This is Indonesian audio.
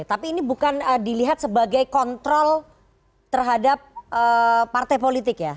tapi ini bukan dilihat sebagai kontrol terhadap partai politik ya